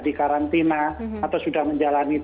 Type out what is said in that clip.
di karantina atau sudah menjalani